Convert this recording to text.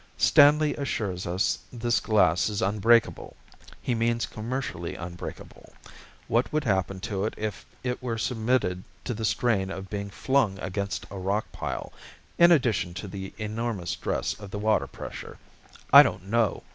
"Stanley assures us this glass is unbreakable. He means commercially unbreakable. What would happen to it if it were submitted to the strain of being flung against a rock pile in addition to the enormous stress of the water pressure I don't know.